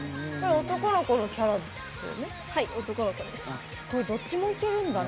男の子のキャラですよね。